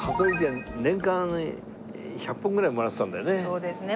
そうですね。